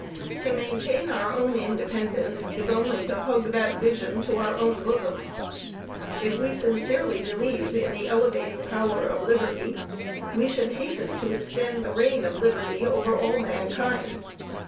To maintain our own independence is only to hug that vision to our own bosoms. If we sincerely believe in the elevating power of liberty, we should hasten to extend the reign of liberty over all mankind.